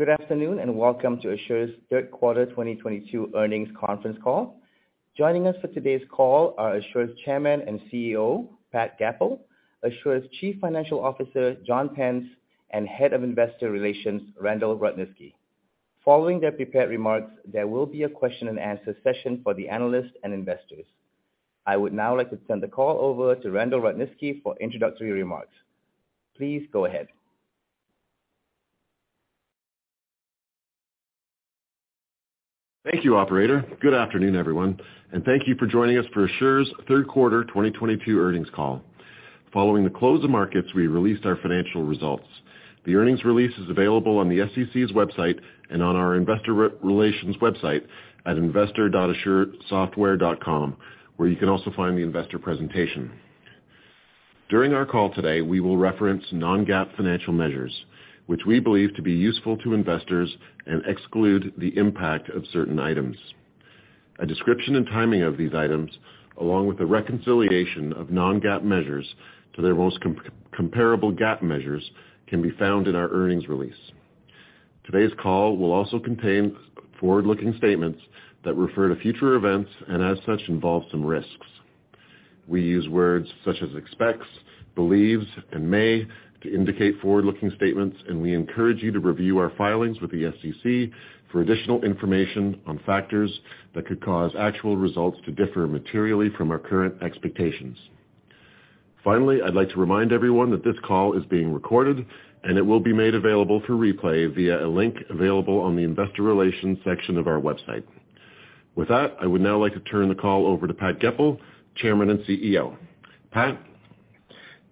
Good afternoon, and welcome to Asure's Third Quarter 2022 Earnings Conference Call. Joining us for today's call are Asure's Chairman and CEO, Pat Goepel, Asure's Chief Financial Officer, John Pence, and Head of Investor Relations, Randal Rudniski. Following their prepared remarks, there will be a question and answer session for the analysts and investors. I would now like to turn the call over to Randal Rudniski for introductory remarks. Please go ahead. Thank you, operator. Good afternoon, everyone, and thank you for joining us for Asure's Third Quarter 2022 Earnings Call. Following the close of markets, we released our financial results. The earnings release is available on the SEC's website and on our investor relations website at investor.asuresoftware.com, where you can also find the investor presentation. During our call today, we will reference non-GAAP financial measures, which we believe to be useful to investors and exclude the impact of certain items. A description and timing of these items, along with a reconciliation of non-GAAP measures to their most comparable GAAP measures can be found in our earnings release. Today's call will also contain forward-looking statements that refer to future events and, as such, involve some risks. We use words such as expects, believes, and may to indicate forward-looking statements, and we encourage you to review our filings with the SEC for additional information on factors that could cause actual results to differ materially from our current expectations. Finally, I'd like to remind everyone that this call is being recorded and it will be made available for replay via a link available on the investor relations section of our website. With that, I would now like to turn the call over to Pat Goepel, Chairman and CEO. Pat?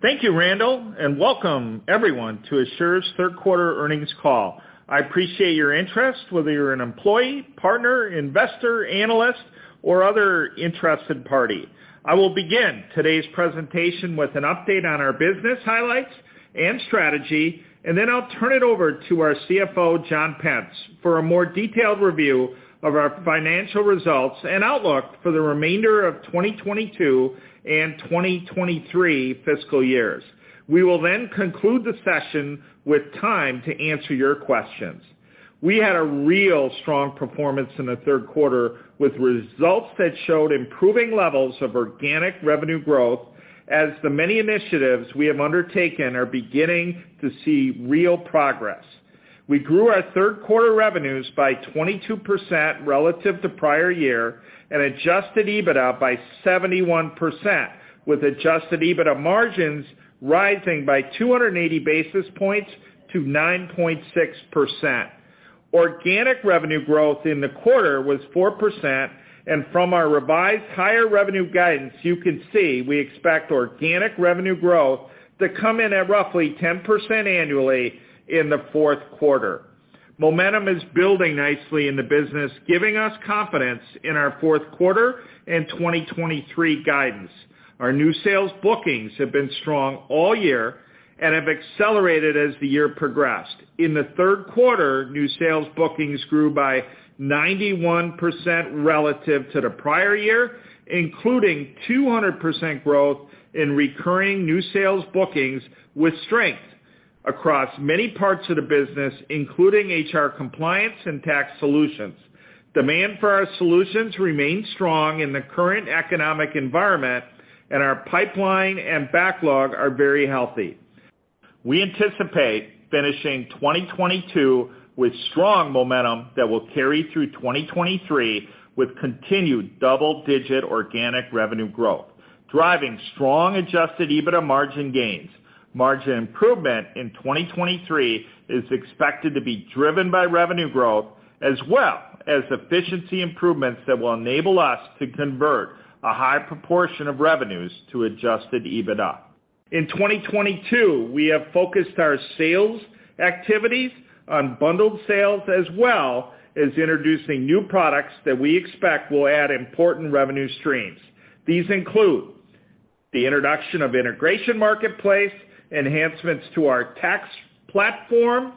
Thank you, Randal, and welcome everyone to Asure's third quarter earnings call. I appreciate your interest, whether you're an employee, partner, investor, analyst, or other interested party. I will begin today's presentation with an update on our business highlights and strategy, and then I'll turn it over to our CFO, John Pence, for a more detailed review of our financial results and outlook for the remainder of 2022 and 2023 fiscal years. We will then conclude the session with time to answer your questions. We had a real strong performance in the third quarter, with results that showed improving levels of organic revenue growth as the many initiatives we have undertaken are beginning to see real progress. We grew our third quarter revenues by 22% relative to prior year and adjusted EBITDA by 71%, with adjusted EBITDA margins rising by 280 basis points to 9.6%. Organic revenue growth in the quarter was 4%, and from our revised higher revenue guidance, you can see we expect organic revenue growth to come in at roughly 10% annually in the fourth quarter. Momentum is building nicely in the business, giving us confidence in our fourth quarter and 2023 guidance. Our new sales bookings have been strong all year and have accelerated as the year progressed. In the third quarter, new sales bookings grew by 91% relative to the prior year, including 200% growth in recurring new sales bookings with strength across many parts of the business, including HR Compliance and tax solutions. Demand for our solutions remain strong in the current economic environment and our pipeline and backlog are very healthy. We anticipate finishing 2022 with strong momentum that will carry through 2023 with continued double-digit organic revenue growth, driving strong adjusted EBITDA margin gains. Margin improvement in 2023 is expected to be driven by revenue growth as well as efficiency improvements that will enable us to convert a high proportion of revenues to adjusted EBITDA. In 2022, we have focused our sales activities on bundled sales as well as introducing new products that we expect will add important revenue streams. These include the introduction of Integration Marketplace, enhancements to our tax platform,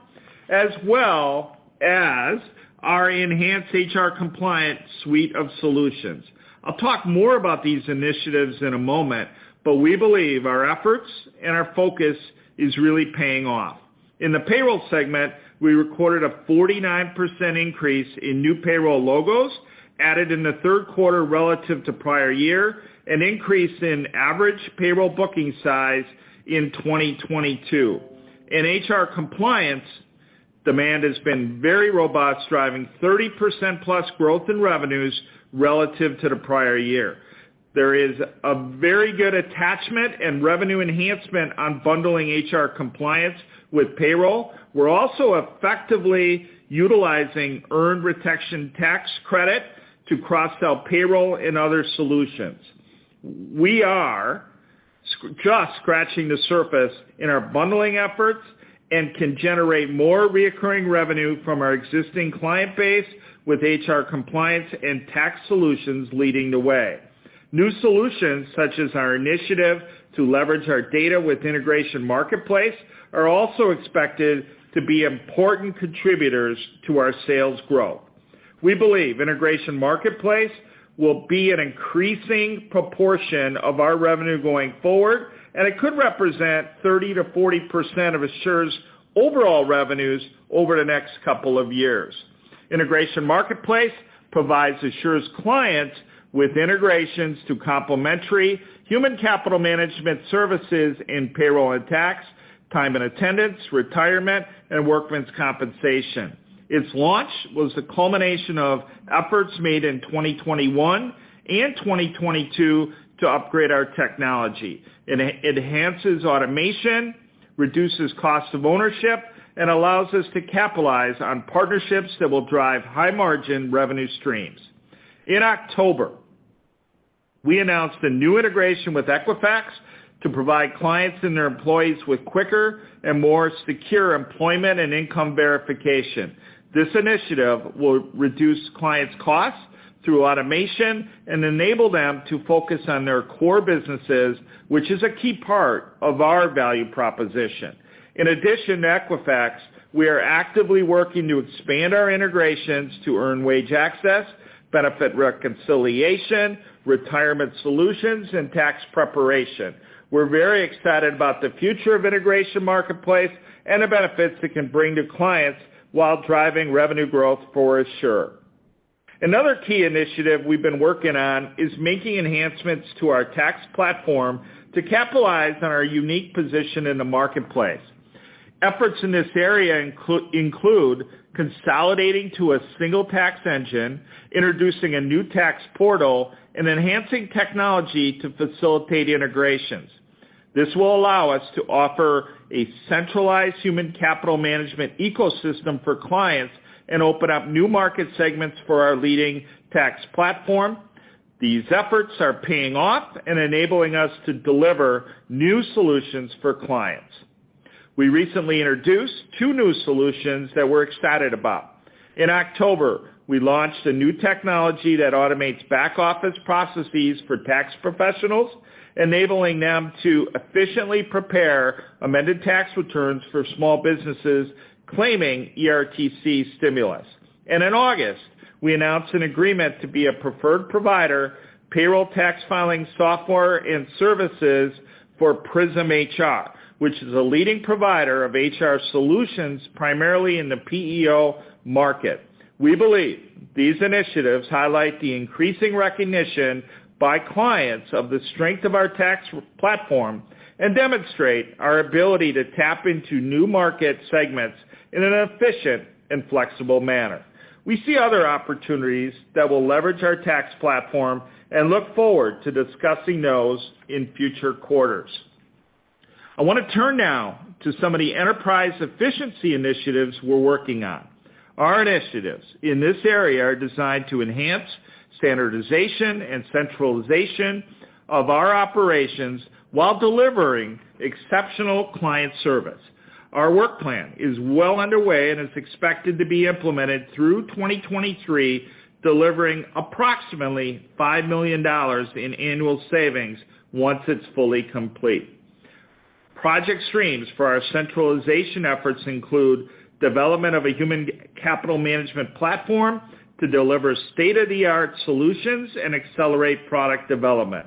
as well as our enhanced HR Compliance suite of solutions. I'll talk more about these initiatives in a moment, but we believe our efforts and our focus is really paying off. In the payroll segment, we recorded a 49% increase in new payroll logos added in the third quarter relative to prior year, an increase in average payroll booking size in 2022. In HR Compliance, demand has been very robust, driving 30%+ growth in revenues relative to the prior year. There is a very good attachment and revenue enhancement on bundling HR Compliance with payroll. We're also effectively utilizing Employee Retention Tax Credit to cross-sell payroll and other solutions. We are just scratching the surface in our bundling efforts and can generate more recurring revenue from our existing client base with HR Compliance and tax solutions leading the way. New solutions, such as our initiative to leverage our data with Integration Marketplace, are also expected to be important contributors to our sales growth. We believe Integration Marketplace will be an increasing proportion of our revenue going forward, and it could represent 30%-40% of Asure's overall revenues over the next couple of years. Integration Marketplace provides Asure's clients with integrations to complementary Human Capital Management services in payroll and tax, time and attendance, retirement, and workers' compensation. Its launch was the culmination of efforts made in 2021 and 2022 to upgrade our technology. It enhances automation, reduces cost of ownership, and allows us to capitalize on partnerships that will drive high-margin revenue streams. In October, we announced a new integration with Equifax to provide clients and their employees with quicker and more secure employment and income verification. This initiative will reduce clients' costs through automation and enable them to focus on their core businesses, which is a key part of our value proposition. In addition to Equifax, we are actively working to expand our integrations to earned wage access, benefit reconciliation, retirement solutions, and tax preparation. We're very excited about the future of Integration Marketplace and the benefits it can bring to clients while driving revenue growth for Asure. Another key initiative we've been working on is making enhancements to our tax platform to capitalize on our unique position in the marketplace. Efforts in this area include consolidating to a single tax engine, introducing a new tax portal, and enhancing technology to facilitate integrations. This will allow us to offer a centralized human capital management ecosystem for clients and open up new market segments for our leading tax platform. These efforts are paying off and enabling us to deliver new solutions for clients. We recently introduced two new solutions that we're excited about. In October, we launched a new technology that automates back-office processes for tax professionals, enabling them to efficiently prepare amended tax returns for small businesses claiming ERTC stimulus. In August, we announced an agreement to be a preferred provider, payroll tax filing software and services for PrismHR, which is a leading provider of HR solutions, primarily in the PEO market. We believe these initiatives highlight the increasing recognition by clients of the strength of our tax platform and demonstrate our ability to tap into new market segments in an efficient and flexible manner. We see other opportunities that will leverage our tax platform and look forward to discussing those in future quarters. I want to turn now to some of the enterprise efficiency initiatives we're working on. Our initiatives in this area are designed to enhance standardization and centralization of our operations while delivering exceptional client service. Our work plan is well underway and is expected to be implemented through 2023, delivering approximately $5 million in annual savings once it's fully complete. Project streams for our centralization efforts include development of a Human Capital Management platform to deliver state-of-the-art solutions and accelerate product development,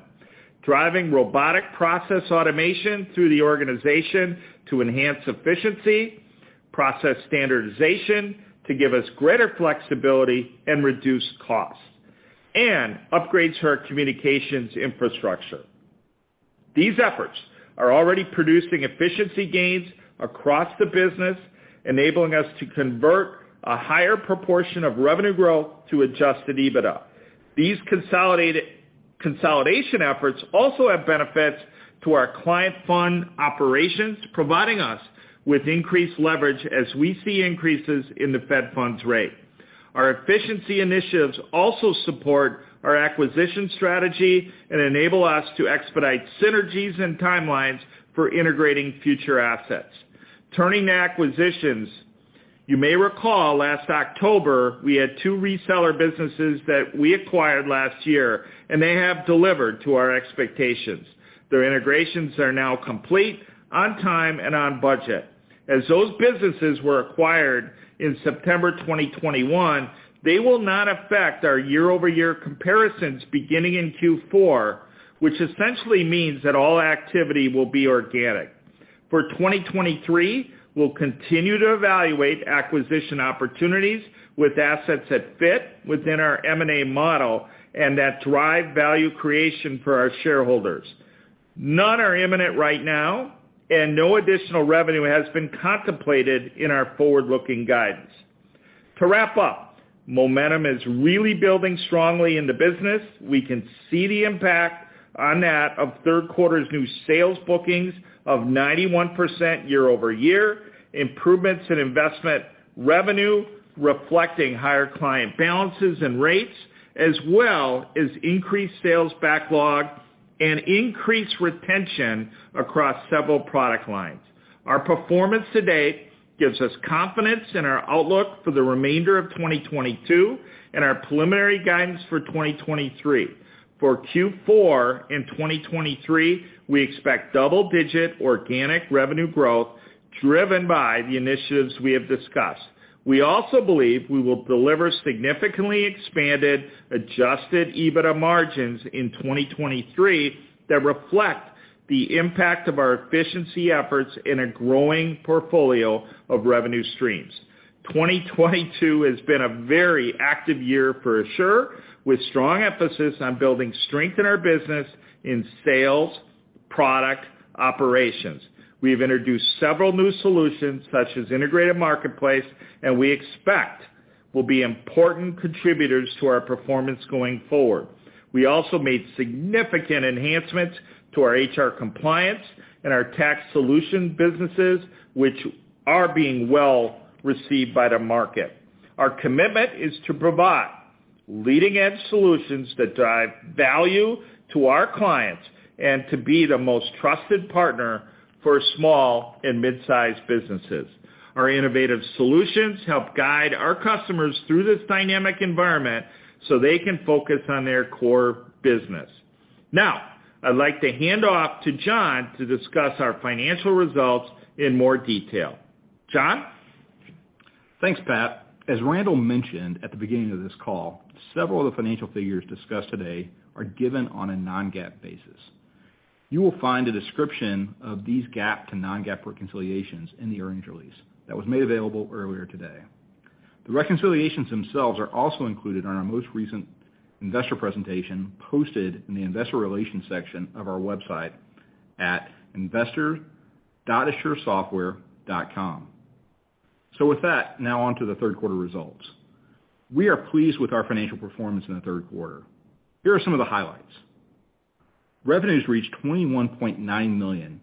driving Robotic Process Automation through the organization to enhance efficiency, process standardization to give us greater flexibility and reduce costs, and upgrades to our communications infrastructure. These efforts are already producing efficiency gains across the business, enabling us to convert a higher proportion of revenue growth to adjusted EBITDA. These consolidation efforts also have benefits to our client fund operations, providing us with increased leverage as we see increases in the federal funds rate. Our efficiency initiatives also support our acquisition strategy and enable us to expedite synergies and timelines for integrating future assets. Turning to acquisitions, you may recall last October, we had two reseller businesses that we acquired last year, and they have delivered to our expectations. Their integrations are now complete, on time, and on budget. As those businesses were acquired in September 2021, they will not affect our year-over-year comparisons beginning in Q4, which essentially means that all activity will be organic. For 2023, we'll continue to evaluate acquisition opportunities with assets that fit within our M&A model and that drive value creation for our shareholders. None are imminent right now, and no additional revenue has been contemplated in our forward-looking guidance. To wrap up, momentum is really building strongly in the business. We can see the impact on that of third quarter's new sales bookings of 91% year-over-year, improvements in investment revenue reflecting higher client balances and rates, as well as increased sales backlog and increased retention across several product lines. Our performance to date gives us confidence in our outlook for the remainder of 2022 and our preliminary guidance for 2023. For Q4 in 2023, we expect double-digit organic revenue growth driven by the initiatives we have discussed. We also believe we will deliver significantly expanded adjusted EBITDA margins in 2023 that reflect the impact of our efficiency efforts in a growing portfolio of revenue streams. 2022 has been a very active year for sure, with strong emphasis on building strength in our business in sales, product, operations. We've introduced several new solutions, such as Integration Marketplace, and we expect will be important contributors to our performance going forward. We also made significant enhancements to our HR Compliance and our tax solution businesses, which are being well received by the market. Our commitment is to provide leading-edge solutions that drive value to our clients and to be the most trusted partner for small and mid-sized businesses. Our innovative solutions help guide our customers through this dynamic environment so they can focus on their core business. Now, I'd like to hand off to John to discuss our financial results in more detail. John? Thanks, Pat. As Randall mentioned at the beginning of this call, several of the financial figures discussed today are given on a non-GAAP basis. You will find a description of these GAAP to non-GAAP reconciliations in the earnings release that was made available earlier today. The reconciliations themselves are also included on our most recent investor presentation, posted in the investor relations section of our website at investor.asuresoftware.com. With that, now on to the third quarter results. We are pleased with our financial performance in the third quarter. Here are some of the highlights. Revenues reached $21.9 million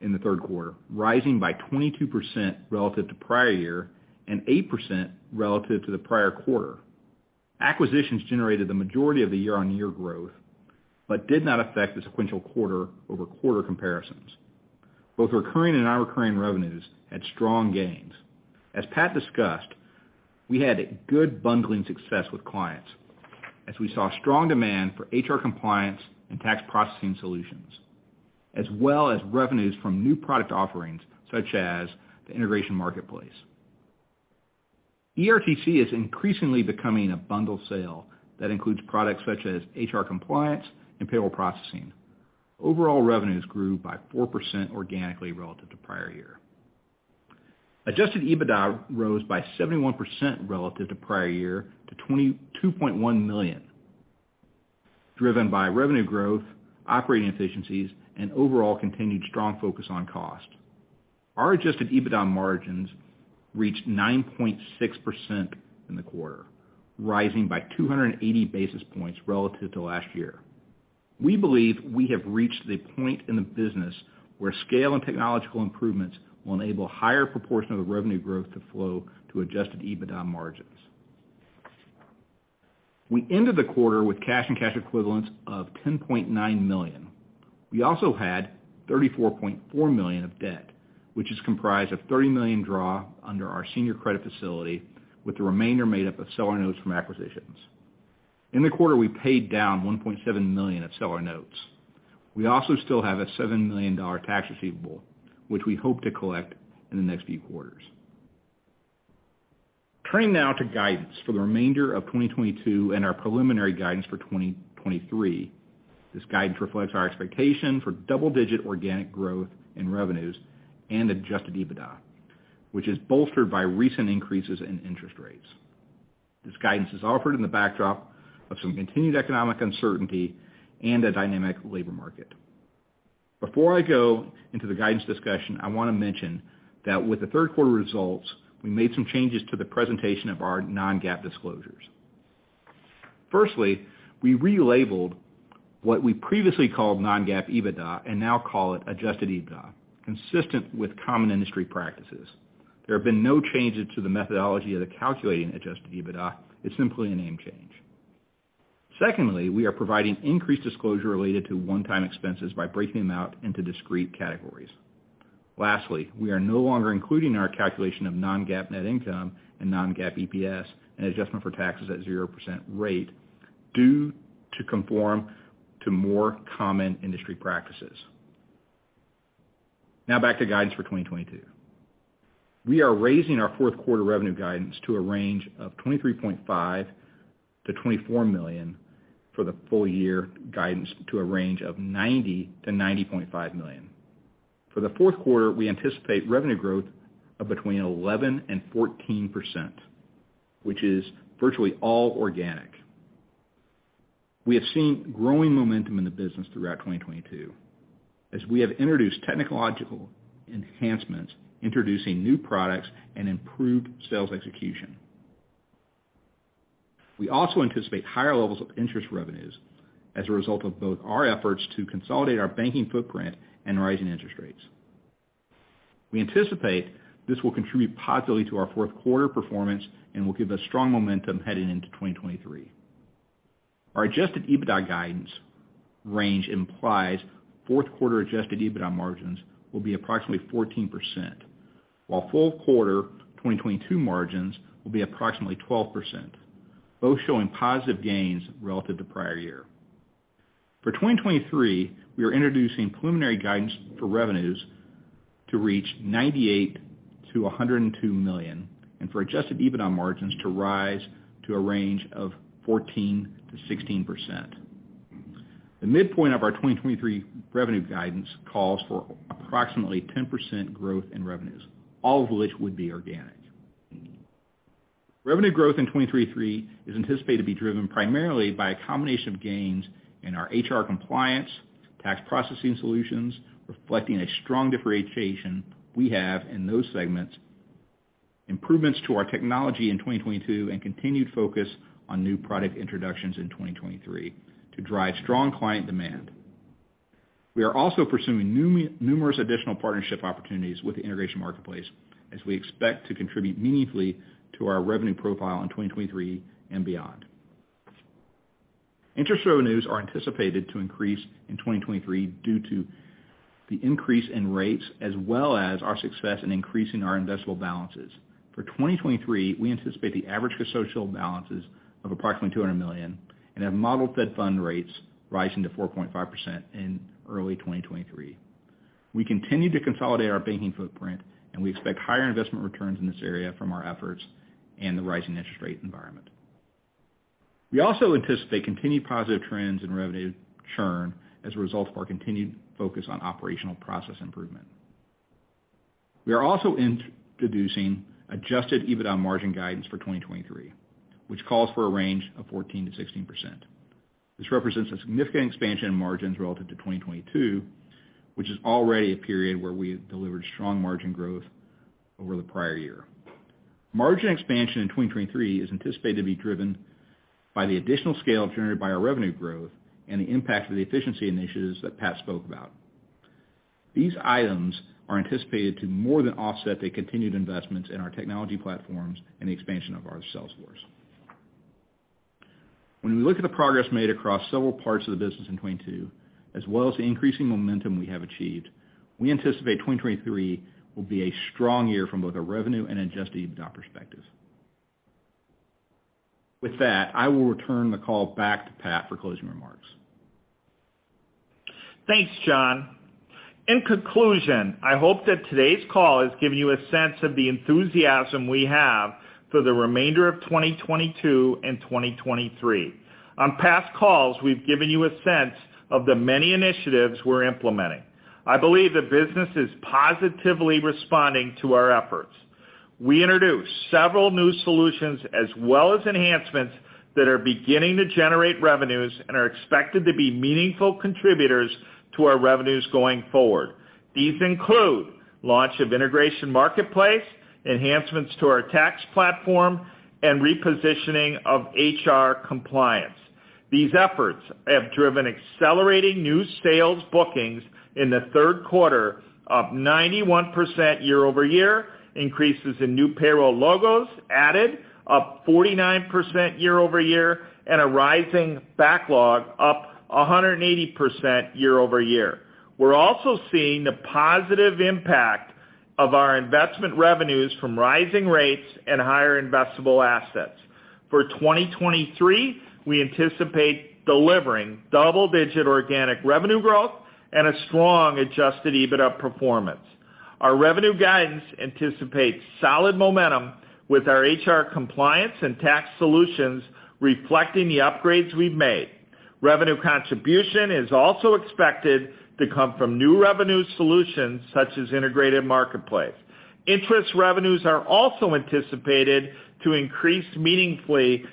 in the third quarter, rising by 22% relative to prior year and 8% relative to the prior quarter. Acquisitions generated the majority of the year-on-year growth, but did not affect the sequential quarter-over-quarter comparisons. Both recurring and non-recurring revenues had strong gains. As Pat discussed, we had good bundling success with clients as we saw strong demand for HR Compliance and tax processing solutions, as well as revenues from new product offerings such as the Integration Marketplace. ERTC is increasingly becoming a bundle sale that includes products such as HR Compliance and payroll processing. Overall revenues grew by 4% organically relative to prior year. Adjusted EBITDA rose by 71% relative to prior year to $22.1 million, driven by revenue growth, operating efficiencies, and overall continued strong focus on cost. Our adjusted EBITDA margins reached 9.6% in the quarter, rising by 280 basis points relative to last year. We believe we have reached the point in the business where scale and technological improvements will enable higher proportion of the revenue growth to flow to adjusted EBITDA margins. We ended the quarter with cash and cash equivalents of $10.9 million. We also had $34.4 million of debt, which is comprised of $30 million draw under our senior credit facility, with the remainder made up of seller notes from acquisitions. In the quarter, we paid down $1.7 million of seller notes. We also still have a $7 million tax receivable, which we hope to collect in the next few quarters. Turning now to guidance for the remainder of 2022 and our preliminary guidance for 2023. This guidance reflects our expectation for double-digit organic growth in revenues and adjusted EBITDA, which is bolstered by recent increases in interest rates. This guidance is offered in the backdrop of some continued economic uncertainty and a dynamic labor market. Before I go into the guidance discussion, I want to mention that with the third quarter results, we made some changes to the presentation of our non-GAAP disclosures. Firstly, we relabeled what we previously called non-GAAP EBITDA and now call it adjusted EBITDA, consistent with common industry practices. There have been no changes to the methodology of the calculation of adjusted EBITDA. It's simply a name change. Secondly, we are providing increased disclosure related to one-time expenses by breaking them out into discrete categories. Lastly, we are no longer including our calculation of non-GAAP net income and non-GAAP EPS and adjustment for taxes at 0% rate to conform to more common industry practices. Now back to guidance for 2022. We are raising our fourth quarter revenue guidance to a range of $23.5 million-$24 million for the full year guidance to a range of $90 million-$90.5 million. For the fourth quarter, we anticipate revenue growth of between 11% and 14%, which is virtually all organic. We have seen growing momentum in the business throughout 2022 as we have introduced technological enhancements, introducing new products, and improved sales execution. We also anticipate higher levels of interest revenues as a result of both our efforts to consolidate our banking footprint and rising interest rates. We anticipate this will contribute positively to our fourth quarter performance and will give us strong momentum heading into 2023. Our adjusted EBITDA guidance range implies fourth quarter adjusted EBITDA margins will be approximately 14%, while full quarter 2022 margins will be approximately 12%, both showing positive gains relative to prior year. For 2023, we are introducing preliminary guidance for revenues to reach $98 million-$102 million, and for adjusted EBITDA margins to rise to a range of 14%-16%. The midpoint of our 2023 revenue guidance calls for approximately 10% growth in revenues, all of which would be organic. Revenue growth in 2023 is anticipated to be driven primarily by a combination of gains in our HR Compliance, tax processing solutions, reflecting a strong differentiation we have in those segments, improvements to our technology in 2022, and continued focus on new product introductions in 2023 to drive strong client demand. We are also pursuing numerous additional partnership opportunities with the Integration Marketplace, as we expect to contribute meaningfully to our revenue profile in 2023 and beyond. Interest revenues are anticipated to increase in 2023 due to the increase in rates as well as our success in increasing our investable balances. For 2023, we anticipate the average custodial balances of approximately $200 million and have modeled federal funds rate rising to 4.5% in early 2023. We continue to consolidate our banking footprint, and we expect higher investment returns in this area from our efforts and the rising interest rate environment. We also anticipate continued positive trends in revenue churn as a result of our continued focus on operational process improvement. We are also introducing adjusted EBITDA margin guidance for 2023, which calls for a range of 14%-16%. This represents a significant expansion in margins relative to 2022, which is already a period where we delivered strong margin growth over the prior year. Margin expansion in 2023 is anticipated to be driven by the additional scale generated by our revenue growth and the impact of the efficiency initiatives that Pat spoke about. These items are anticipated to more than offset the continued investments in our technology platforms and the expansion of our sales force. When we look at the progress made across several parts of the business in 2022, as well as the increasing momentum we have achieved, we anticipate 2023 will be a strong year from both a revenue and adjusted EBITDA perspective. With that, I will return the call back to Pat for closing remarks. Thanks, John. In conclusion, I hope that today's call has given you a sense of the enthusiasm we have for the remainder of 2022 and 2023. On past calls, we've given you a sense of the many initiatives we're implementing. I believe the business is positively responding to our efforts. We introduced several new solutions as well as enhancements that are beginning to generate revenues and are expected to be meaningful contributors to our revenues going forward. These include launch of Integration Marketplace, enhancements to our tax platform, and repositioning of HR Compliance. These efforts have driven accelerating new sales bookings in the third quarter, up 91% year-over-year, increases in new payroll logos added, up 49% year-over-year, and a rising backlog, up 180% year-over-year. We're also seeing the positive impact of our investment revenues from rising rates and higher investable assets. For 2023, we anticipate delivering double-digit organic revenue growth and a strong adjusted EBITDA performance. Our revenue guidance anticipates solid momentum with our HR Compliance and tax solutions reflecting the upgrades we've made. Revenue contribution is also expected to come from new revenue solutions such as Integration Marketplace. Interest revenues are also anticipated to increase meaningfully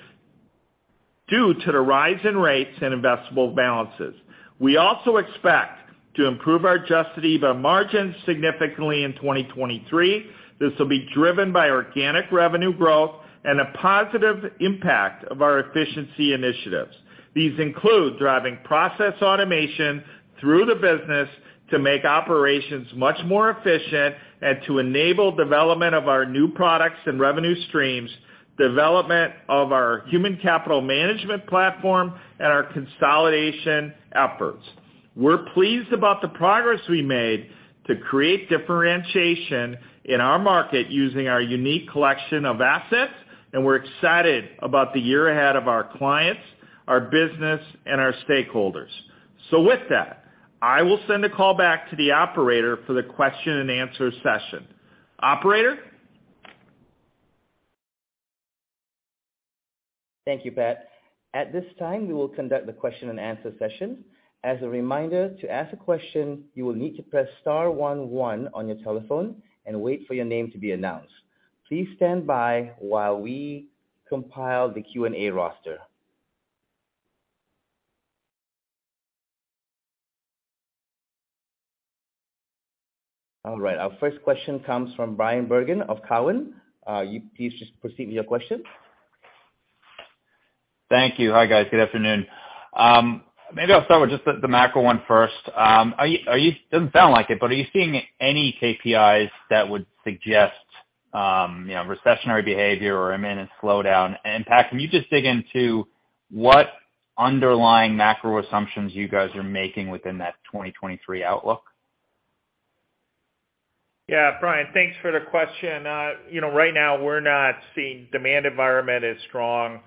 due to the rise in rates and investable balances. We also expect to improve our adjusted EBITDA margins significantly in 2023. This will be driven by organic revenue growth and a positive impact of our efficiency initiatives. These include driving process automation through the business to make operations much more efficient and to enable development of our new products and revenue streams, development of our Human Capital Management platform, and our consolidation efforts. We're pleased about the progress we made to create differentiation in our market using our unique collection of assets, and we're excited about the year ahead of our clients, our business, and our stakeholders. With that, I will send the call back to the operator for the question and answer session. Operator? Thank you, Pat. At this time, we will conduct the question and answer session. As a reminder, to ask a question, you will need to press star one one on your telephone and wait for your name to be announced. Please stand by while we compile the Q&A roster. All right, our first question comes from Bryan Bergin of Cowen. Please just proceed with your question. Thank you. Hi, guys. Good afternoon. Maybe I'll start with just the macro one first. Are you seeing any KPIs that would suggest, you know, recessionary behavior or imminent slowdown? Pat, can you just dig into what underlying macro assumptions you guys are making within that 2023 outlook? Yeah, Bryan, thanks for the question. You know, right now we're not seeing demand environment as strong.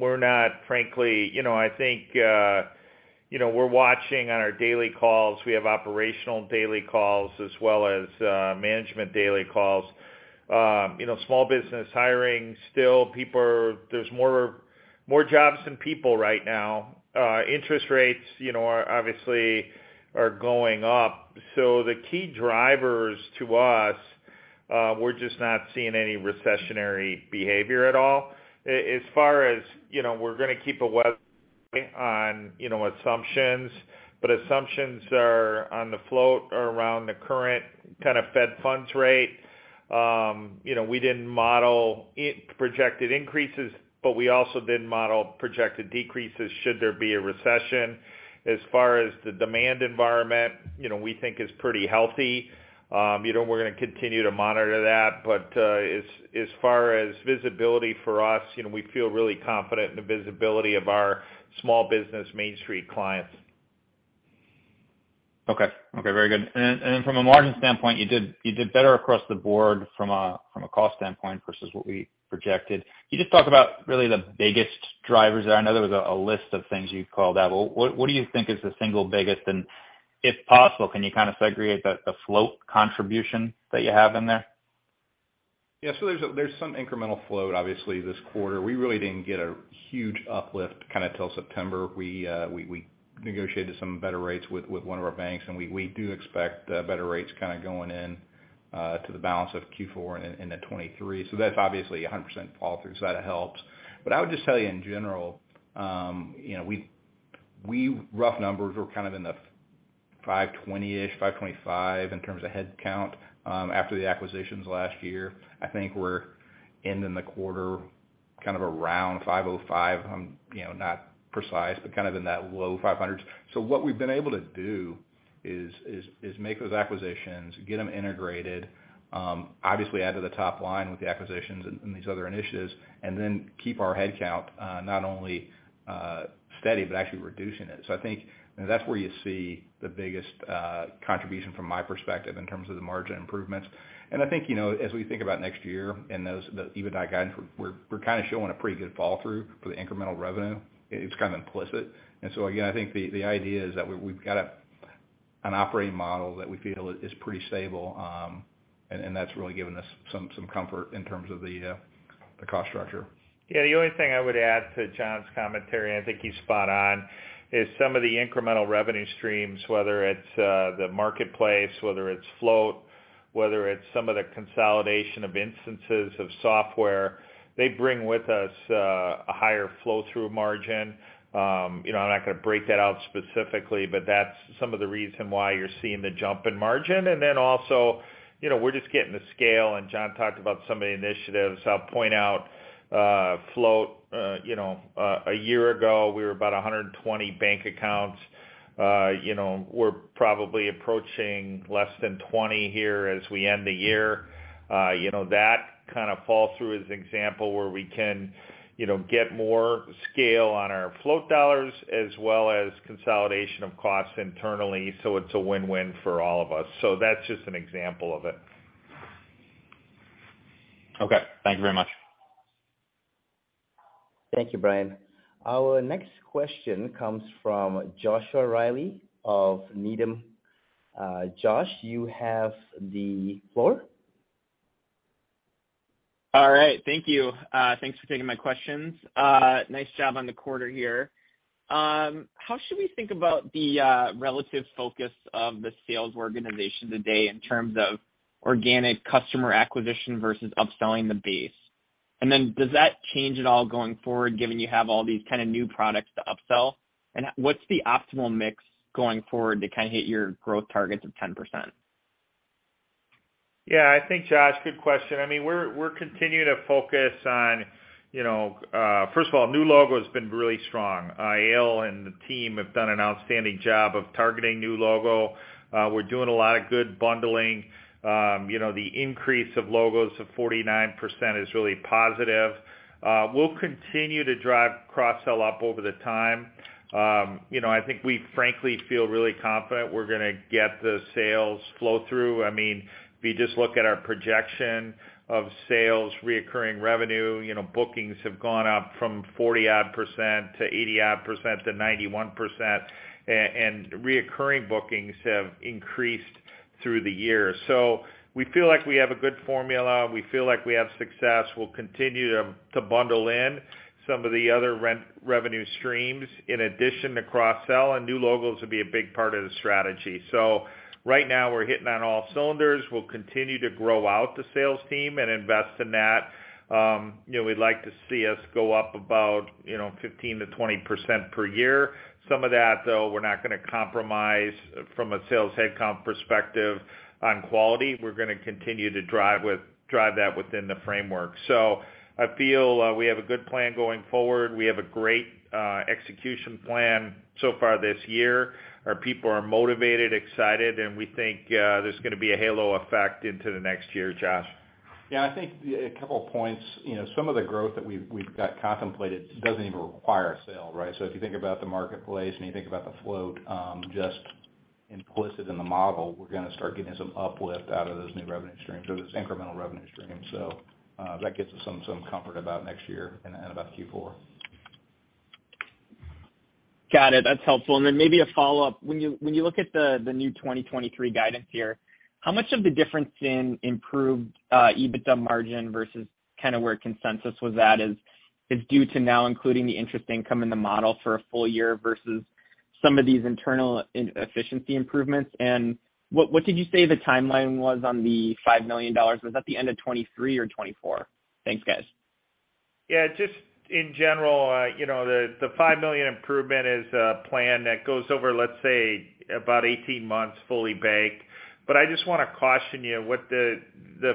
We're not frankly, you know, I think, we're watching on our daily calls. We have operational daily calls as well as management daily calls. You know, small business hiring still there's more jobs than people right now. Interest rates, you know, are obviously going up. The key drivers to us, we're just not seeing any recessionary behavior at all. As far as, you know, we're gonna keep a watch on, you know, assumptions, but assumptions are afloat around the current kind of federal funds rate. You know, we didn't model projected increases, but we also didn't model projected decreases should there be a recession. As far as the demand environment, you know, we think is pretty healthy. You know, we're gonna continue to monitor that. As far as visibility for us, you know, we feel really confident in the visibility of our small business Main Street clients. Okay. Very good. From a margin standpoint, you did better across the board from a cost standpoint versus what we projected. Can you just talk about really the biggest drivers there? I know there was a list of things you called out, but what do you think is the single biggest? If possible, can you kind of segregate the float contribution that you have in there? Yeah. There's some incremental float, obviously, this quarter. We really didn't get a huge uplift kinda till September. We negotiated some better rates with one of our banks, and we do expect better rates kinda going in to the balance of Q4 and into 2023. That's obviously 100% fall through, so that helps. I would just tell you in general, you know, rough numbers, we're kind of in the 520-ish, 525 in terms of head count after the acquisitions last year. I think we're ending the quarter kind of around 505. You know, not precise, but kind of in that low 500s. What we've been able to do is make those acquisitions, get them integrated, obviously add to the top line with the acquisitions and these other initiatives, and then keep our head count not only steady, but actually reducing it. I think that's where you see the biggest contribution from my perspective in terms of the margin improvements. I think, you know, as we think about next year and the EBITDA guidance, we're kinda showing a pretty good fall through for the incremental revenue. It's kind of implicit. I think the idea is that we've got an operating model that we feel is pretty stable, and that's really given us some comfort in terms of the cost structure. Yeah. The only thing I would add to John's commentary, and I think he's spot on, is some of the incremental revenue streams, whether it's the marketplace, whether it's float, whether it's some of the consolidation of instances of software, they bring with us a higher flow through margin. You know, I'm not gonna break that out specifically, but that's some of the reason why you're seeing the jump in margin. Then also, you know, we're just getting the scale, and John talked about some of the initiatives. I'll point out float. You know, a year ago, we were about 120 bank accounts. You know, we're probably approaching less than 20 here as we end the year. You know, that kind of fall through is an example where we can, you know, get more scale on our float dollars as well as consolidation of costs internally. It's a win-win for all of us. That's just an example of it. Okay. Thank you very much. Thank you, Brian. Our next question comes from Joshua Reilly of Needham. Josh, you have the floor. All right. Thank you. Thanks for taking my questions. Nice job on the quarter here. How should we think about the relative focus of the sales organization today in terms of organic customer acquisition versus upselling the base? Does that change at all going forward, given you have all these kind of new products to upsell? What's the optimal mix going forward to kind of hit your growth targets of 10%? Yeah. I think, Josh, good question. I mean, we're continuing to focus on, you know, first of all, new logo has been really strong. Eyal and the team have done an outstanding job of targeting new logo. We're doing a lot of good bundling. You know, the increase of logos of 49% is really positive. We'll continue to drive cross-sell up over time. You know, I think we frankly feel really confident we're gonna get the sales flow through. I mean, if you just look at our projection of sales, recurring revenue, you know, bookings have gone up from 40-odd % to 80-odd % to 91%. And recurring bookings have increased through the year. We feel like we have a good formula. We feel like we have success. We'll continue to bundle in some of the other revenue streams in addition to cross-sell, and new logos will be a big part of the strategy. Right now we're hitting on all cylinders. We'll continue to grow out the sales team and invest in that. You know, we'd like to see us go up about, you know, 15%-20% per year. Some of that, though, we're not gonna compromise from a sales head count perspective on quality. We're gonna continue to drive that within the framework. I feel we have a good plan going forward. We have a great execution plan so far this year. Our people are motivated, excited, and we think there's gonna be a halo effect into the next year, Josh. Yeah, I think a couple of points. You know, some of the growth that we've got contemplated doesn't even require a sale, right? If you think about the marketplace and you think about the float, just implicit in the model, we're gonna start getting some uplift out of those new revenue streams or this incremental revenue stream. That gives us some comfort about next year and about Q4. Got it. That's helpful. Maybe a follow-up. When you look at the new 2023 guidance here, how much of the difference in improved EBITDA margin versus kinda where consensus was at is due to now including the interest income in the model for a full year versus some of these internal inefficiency improvements? What did you say the timeline was on the $5 million? Was that the end of 2023 or 2024? Thanks, guys. Yeah, just in general, you know, the $5 million improvement is a plan that goes over, let's say about 18 months fully baked. I just wanna caution you what the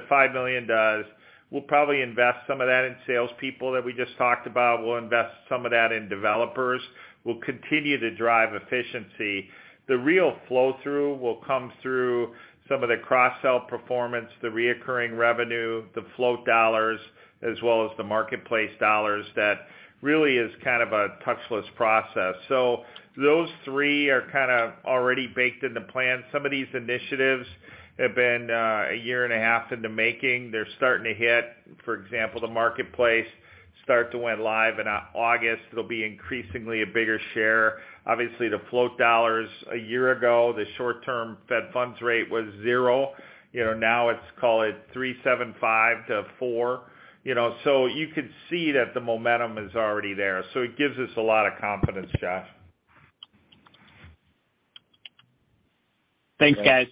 $5 million does. We'll probably invest some of that in sales people that we just talked about. We'll invest some of that in developers. We'll continue to drive efficiency. The real flow-through will come through some of the cross-sell performance, the recurring revenue, the float dollars, as well as the marketplace dollars that really is kind of a touchless process. Those three are kinda already baked in the plan. Some of these initiatives have been a year and a half in the making. They're starting to hit. For example, the marketplace start to went live in August. It'll be increasingly a bigger share. Obviously, the float dollars a year ago, the short-term federal funds rate was 0%. You know, now it's, call it 3.75%-4%. You know, you could see that the momentum is already there. It gives us a lot of confidence, Josh. Thanks, guys.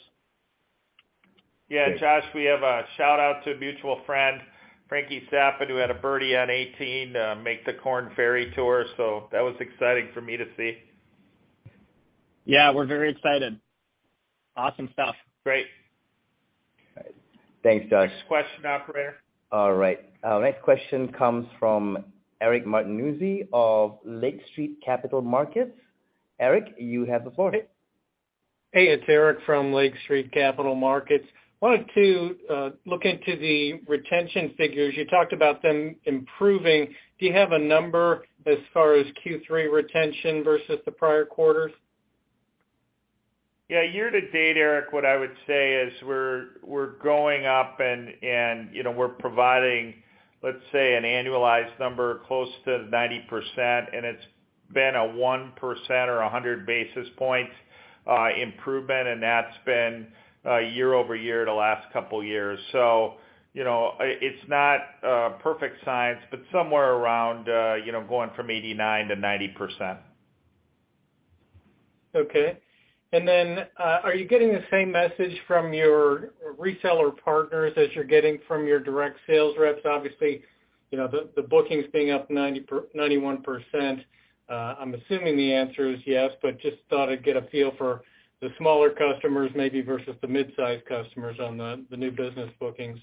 Yeah, Josh, we have a shout-out to a mutual friend, Frankie Capan, who had a birdie on 18 to make the Korn Ferry Tour. That was exciting for me to see. Yeah, we're very excited. Awesome stuff. Great. Thanks, Josh. Next question, operator. All right. Our next question comes from Eric Martinuzzi of Lake Street Capital Markets. Eric, you have the floor. Hey, it's Eric from Lake Street Capital Markets. Wanted to look into the retention figures. You talked about them improving. Do you have a number as far as Q3 retention versus the prior quarters? Yeah, year to date, Eric, what I would say is we're going up and, you know, we're providing, let's say, an annualized number close to 90%, and it's been a 1% or 100 basis points improvement, and that's been year-over-year the last couple years. You know, it's not a perfect science, but somewhere around, you know, going from 89%-90%. Okay. Are you getting the same message from your reseller partners as you're getting from your direct sales reps? Obviously, you know, the bookings being up 91%, I'm assuming the answer is yes, but just thought I'd get a feel for the smaller customers maybe versus the mid-size customers on the new business bookings.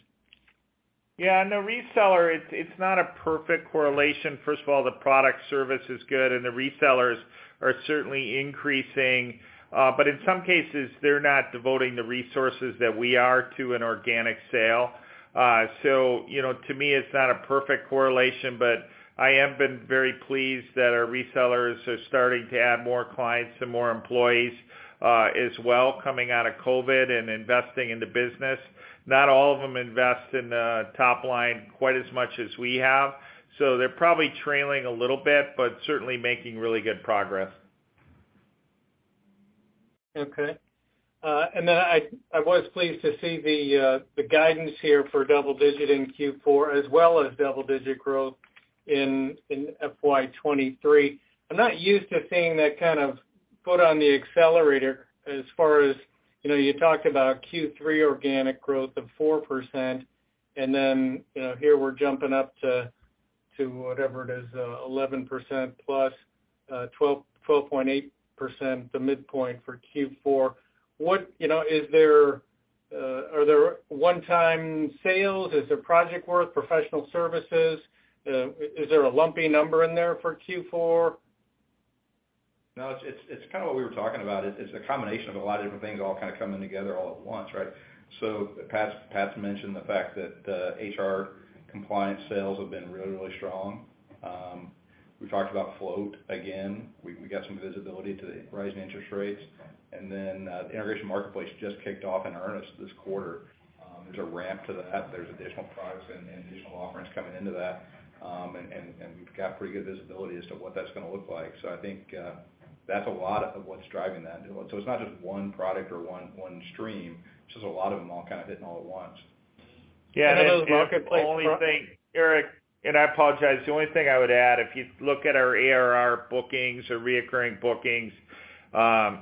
Yeah, no, reseller, it's not a perfect correlation. First of all, the product service is good and the resellers are certainly increasing, but in some cases, they're not devoting the resources that we are to an organic sale. You know, to me, it's not a perfect correlation, but I have been very pleased that our resellers are starting to add more clients and more employees, as well coming out of COVID and investing in the business. Not all of them invest in the top line quite as much as we have, so they're probably trailing a little bit, but certainly making really good progress. Okay. I was pleased to see the guidance here for double-digit in Q4 as well as double-digit growth in FY 2023. I'm not used to seeing that kind of foot on the accelerator as far as, you know, you talked about Q3 organic growth of 4%, and then, you know, here we're jumping up to whatever it is, +11%, 12.8%, the midpoint for Q4. What? You know, is there Are there one-time sales? Is there project work professional services? Is there a lumpy number in there for Q4? No, it's kinda what we were talking about. It's a combination of a lot of different things all kinda coming together all at once, right? Pat's mentioned the fact that the HR Compliance sales have been really strong. We talked about float again. We got some visibility to the rising interest rates. The Integration Marketplace just kicked off in earnest this quarter. There's a ramp to that. There's additional products and additional offerings coming into that, and we've got pretty good visibility as to what that's gonna look like. I think that's a lot of what's driving that. It's not just one product or one stream. It's just a lot of them all kinda hitting all at once. Yeah. The marketplace. The only thing, Eric, and I apologize. The only thing I would add, if you look at our ARR bookings or recurring bookings,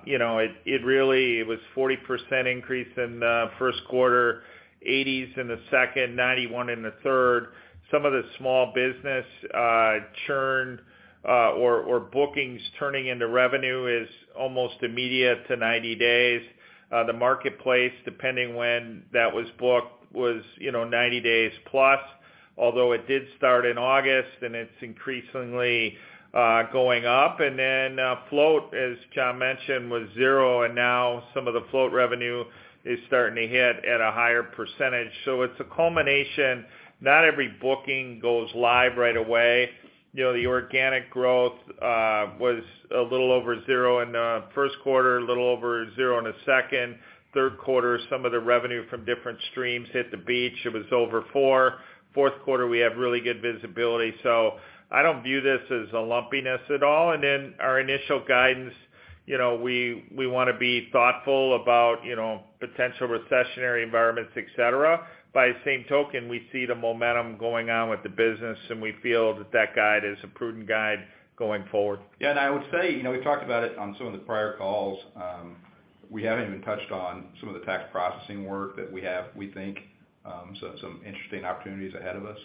you know, it really was 40% increase in the first quarter, 80% in the second, 91% in the third. Some of the small business churn or bookings turning into revenue is almost immediate to 90 days. The marketplace, depending when that was booked, was, you know, +90 days. Although it did start in August, and it's increasingly going up. Float, as John mentioned, was zero, and now some of the float revenue is starting to hit at a higher percentage. It's a culmination. Not every booking goes live right away. You know, the organic growth was a little over 0% in the first quarter, a little over 0% in the second. Third quarter, some of the revenue from different streams hit the beach. It was over 4%. Fourth quarter, we have really good visibility. I don't view this as a lumpiness at all. Then our initial guidance, you know, we wanna be thoughtful about, you know, potential recessionary environments, et cetera. By the same token, we see the momentum going on with the business, and we feel that guide is a prudent guide going forward. Yeah. I would say, you know, we talked about it on some of the prior calls. We haven't even touched on some of the tax processing work that we have. We think so. Some interesting opportunities ahead of us.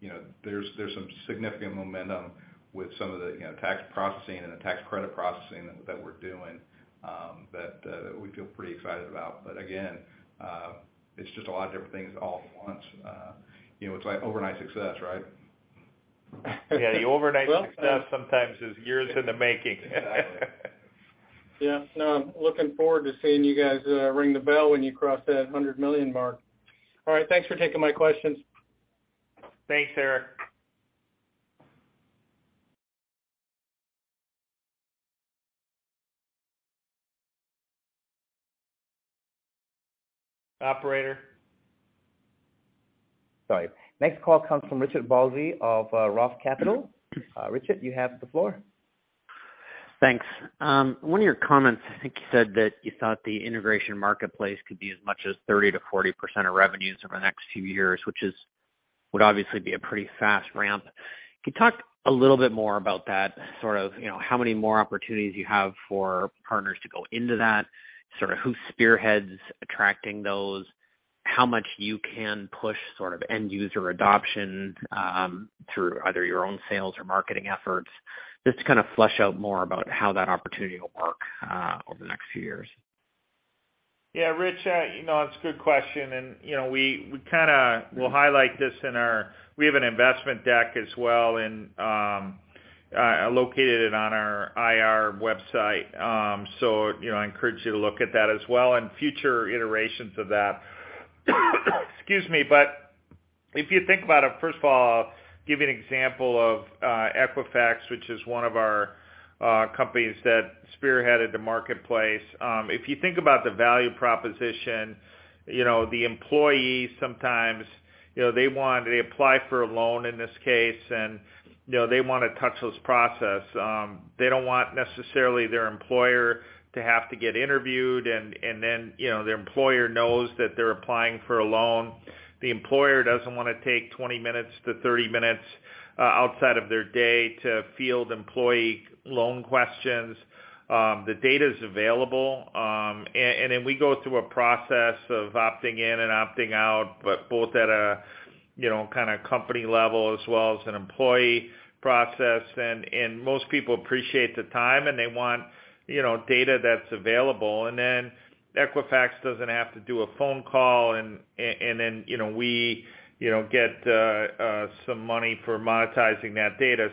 You know, there's some significant momentum with some of the, you know, tax processing and the tax credit processing that we're doing, that we feel pretty excited about. Again, it's just a lot of different things all at once. You know, it's like overnight success, right? Yeah. The overnight success sometimes is years in the making. Exactly. Yeah. No, looking forward to seeing you guys ring the bell when you cross that $100 million mark. All right, thanks for taking my questions. Thanks, Eric. Operator. Sorry. Next call comes from Richard Baldry of Roth Capital. Richard, you have the floor. Thanks. One of your comments, I think you said that you thought the Integration Marketplace could be as much as 30%-40% of revenues over the next few years, which would obviously be a pretty fast ramp. Can you talk a little bit more about that, sort of, you know, how many more opportunities you have for partners to go into that? Sort of who spearheads attracting those? How much you can push sort of end user adoption, through either your own sales or marketing efforts? Just to kind of flesh out more about how that opportunity will work, over the next few years. Yeah, Rich, you know, that's a good question. You know, we kinda will highlight this in our investment deck as well and located it on our IR website. You know, I encourage you to look at that as well and future iterations of that. Excuse me. If you think about it, first of all, I'll give you an example of Equifax, which is one of our companies that spearheaded the marketplace. If you think about the value proposition, you know, the employee sometimes, you know, they apply for a loan in this case, and, you know, they want a touchless process. They don't want necessarily their employer to have to get interviewed and then, you know, their employer knows that they're applying for a loan. The employer doesn't wanna take 20 minutes to 30 minutes outside of their day to field employee loan questions. The data's available, and then we go through a process of opting in and opting out, but both at a you know kinda company level as well as an employee process. Most people appreciate the time, and they want you know data that's available. Equifax doesn't have to do a phone call, and then you know we you know get some money for monetizing that data.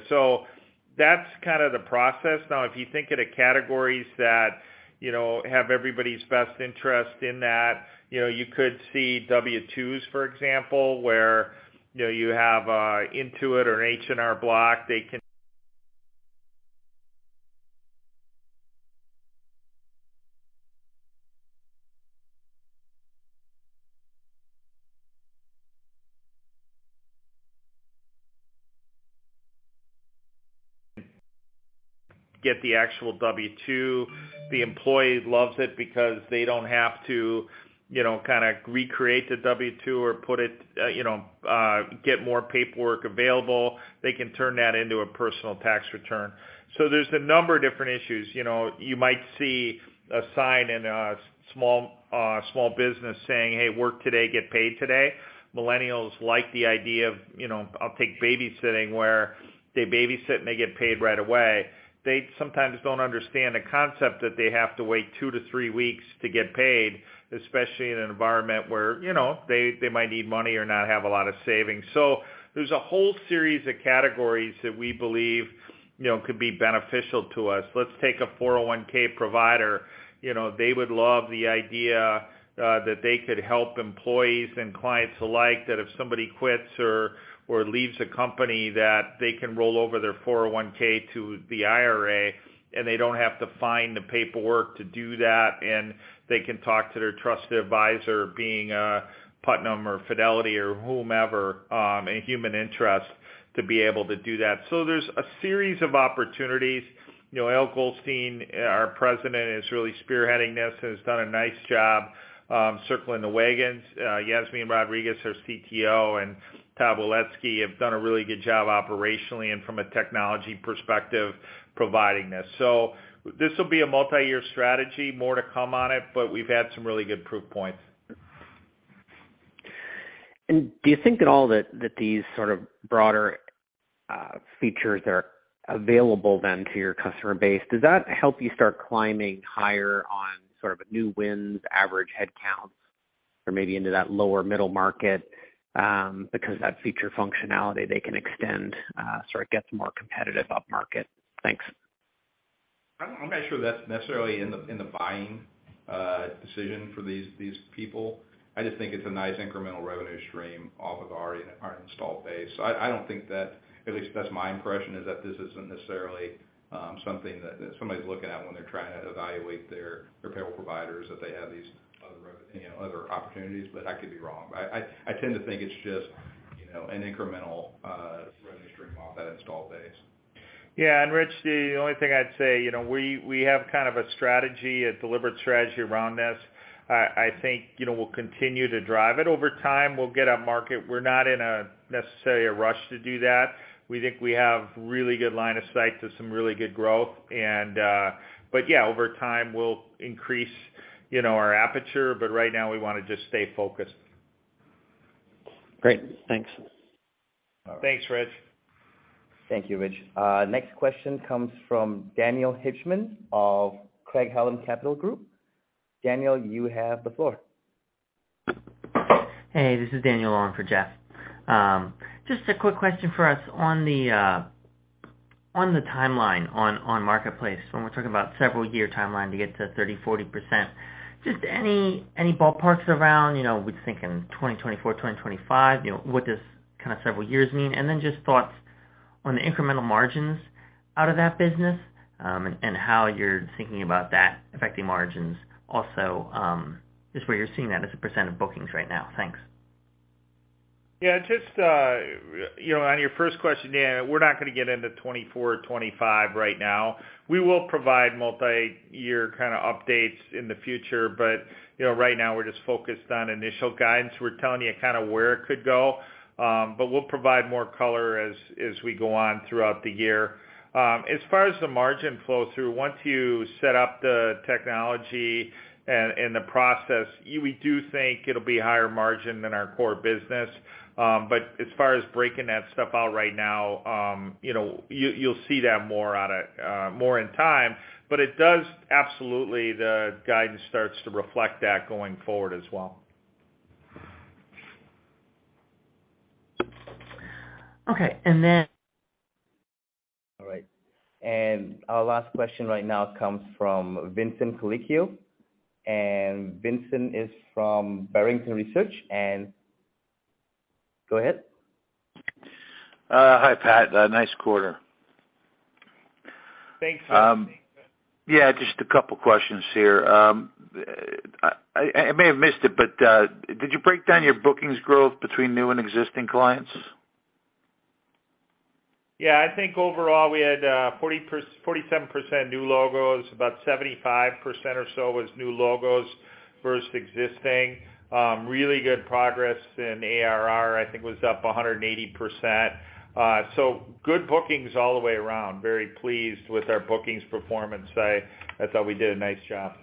That's kind of the process. Now, if you think of the categories that you know have everybody's best interest in that, you know you could see W-2s, for example, where you know you have Intuit or H&R Block, they can get the actual W-2. The employee loves it because they don't have to, you know, kinda recreate the W-2 or put it, you know, get more paperwork available. They can turn that into a personal tax return. There's a number of different issues. You know, you might see a sign in a small business saying, "Hey, work today, get paid today." Millennials like the idea of, you know, I'll take babysitting where they babysit and they get paid right away. They sometimes don't understand the concept that they have to wait two-three weeks to get paid, especially in an environment where, you know, they might need money or not have a lot of savings. There's a whole series of categories that we believe, you know, could be beneficial to us. Let's take a 401(k) provider. You know, they would love the idea that they could help employees and clients alike, that if somebody quits or leaves a company, that they can roll over their 401(k) to the IRA, and they don't have to find the paperwork to do that. They can talk to their trusted advisor, being Putnam or Fidelity or whomever, and Human Interest, to be able to do that. There's a series of opportunities. You know, Eyal Goldstein, our President, is really spearheading this and has done a nice job circling the wagons. Yasmine Rodriguez, our CTO, and Todd Waletzki have done a really good job operationally and from a technology perspective, providing this. This will be a multi-year strategy. More to come on it, but we've had some really good proof points. Do you think at all that that these sort of broader features are available then to your customer base. Does that help you start climbing higher on sort of a new wins average headcounts or maybe into that lower middle market? Because that feature functionality they can extend sort of gets more competitive upmarket. Thanks. I'm not sure that's necessarily in the buying decision for these people. I just think it's a nice incremental revenue stream off of our installed base. I don't think that. At least that's my impression, is that this isn't necessarily something that somebody's looking at when they're trying to evaluate their payroll providers, that they have these other, you know, other opportunities, but I could be wrong. I tend to think it's just, you know, an incremental revenue stream off that installed base. Yeah, Rich, the only thing I'd say, you know, we have kind of a strategy, a deliberate strategy around this. I think, you know, we'll continue to drive it. Over time, we'll get a market. We're not in a necessarily a rush to do that. We think we have really good line of sight to some really good growth and. Yeah, over time, we'll increase, you know, our aperture, but right now we wanna just stay focused. Great. Thanks. All right. Thanks, Rich. Thank you, Rich. Next question comes from Daniel Hibshman of Craig-Hallum Capital Group. Daniel, you have the floor. Hey, this is Daniel on for Jeff. Just a quick question for us on the timeline on marketplace, when we're talking about several-year timeline to get to 30%-40%. Just any ballparks around, you know, we think in 2024, 2025, you know, what does kind of several years mean? Then just thoughts on the incremental margins out of that business, and how you're thinking about that affecting margins also, just where you're seeing that as a percent of bookings right now. Thanks. Yeah, just, you know, on your first question, Dan, we're not gonna get into 2024 or 2025 right now. We will provide multiyear kinda updates in the future, but, you know, right now, we're just focused on initial guidance. We're telling you kinda where it could go, but we'll provide more color as we go on throughout the year. As far as the margin flow through, once you set up the technology and the process, we do think it'll be higher margin than our core business. But as far as breaking that stuff out right now, you know, you'll see that more over time, but it does. Absolutely, the guidance starts to reflect that going forward as well. Okay, and then. All right. Our last question right now comes from Vincent Colicchio, and Vincent is from Barrington Research. Go ahead. Hi, Pat. Nice quarter. Thanks. Yeah, just a couple questions here. I may have missed it, but did you break down your bookings growth between new and existing clients? Yeah. I think overall we had 47% new logos, about 75% or so was new logos versus existing. Really good progress in ARR, I think was up 180%. Good bookings all the way around. Very pleased with our bookings performance. I thought we did a nice job.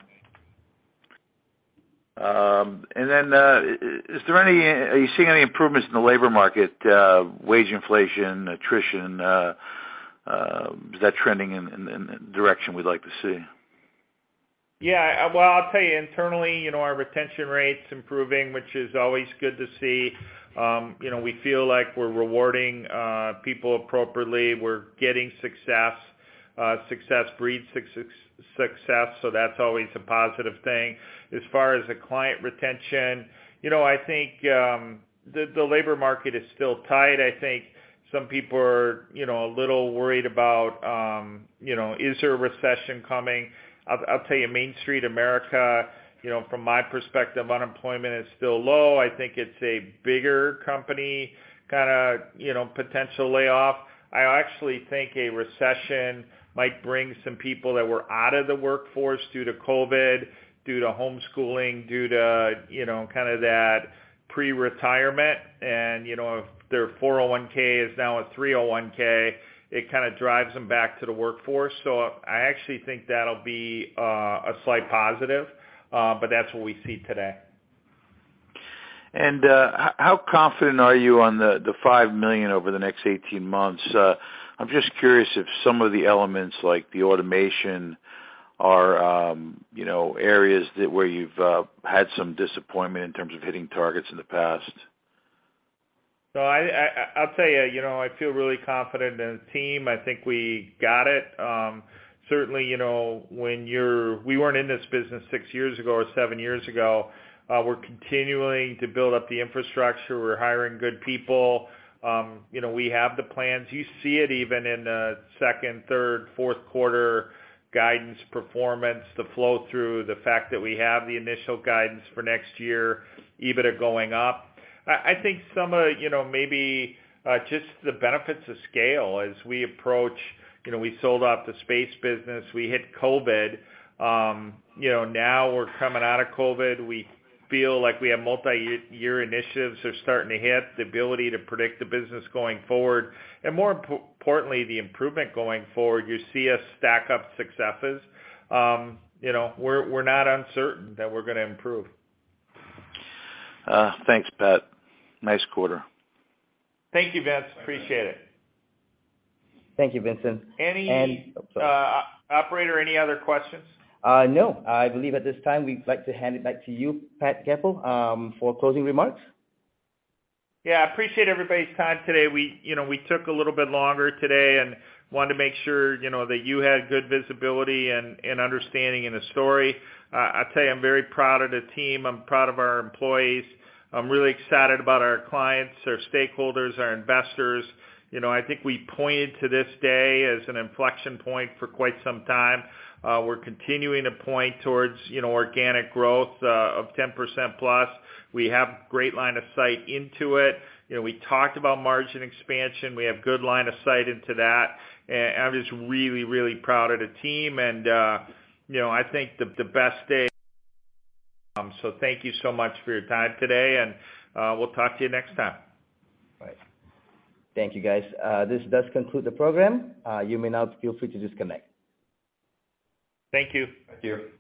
Are you seeing any improvements in the labor market, wage inflation, attrition? Is that trending in the direction we'd like to see? Yeah. Well, I'll tell you internally, you know, our retention rate's improving, which is always good to see. You know, we feel like we're rewarding people appropriately. We're getting success. Success breeds success, so that's always a positive thing. As far as the client retention, you know, I think the labor market is still tight. I think some people are, you know, a little worried about, you know, is there a recession coming? I'll tell you, Main Street America, you know, from my perspective, unemployment is still low. I think it's a bigger company kinda, you know, potential layoff. I actually think a recession might bring some people that were out of the workforce due to COVID, due to homeschooling, due to, you know, kinda that pre-retirement. You know, if their 401(k) is now a 301(k), it kinda drives them back to the workforce. I actually think that'll be a slight positive, but that's what we see today. How confident are you on the $5 million over the next 18 months? I'm just curious if some of the elements like the automation are, you know, areas that where you've had some disappointment in terms of hitting targets in the past. I'll tell you know, I feel really confident in the team. I think we got it. Certainly, you know, we weren't in this business six years ago or seven years ago. We're continuing to build up the infrastructure. We're hiring good people. You know, we have the plans. You see it even in the second, third, fourth quarter guidance performance, the flow through, the fact that we have the initial guidance for next year, EBITDA going up. I think some of, you know, maybe just the benefits of scale as we approach, you know, we sold off the space business, we hit COVID. You know, now we're coming out of COVID, we feel like we have multi-year initiatives are starting to hit, the ability to predict the business going forward, and more importantly, the improvement going forward. You see us stack up successes. You know, we're not uncertain that we're gonna improve. Thanks, Pat. Nice quarter. Thank you, Vince. Appreciate it. Thank you, Vincent. Any- Oh, sorry. Operator, any other questions? No. I believe at this time we'd like to hand it back to you, Pat Goepel, for closing remarks. Yeah. I appreciate everybody's time today. We, you know, we took a little bit longer today and wanted to make sure, you know, that you had good visibility and understanding in the story. I tell you, I'm very proud of the team. I'm proud of our employees. I'm really excited about our clients, our stakeholders, our investors. You know, I think we pointed to this day as an inflection point for quite some time. We're continuing to point towards, you know, organic growth of 10%+. We have great line of sight into it. You know, we talked about margin expansion. We have good line of sight into that. I'm just really proud of the team and, you know, I think the best day. Thank you so much for your time today, and we'll talk to you next time. Right. Thank you, guys. This does conclude the program. You may now feel free to disconnect. Thank you. Thank you.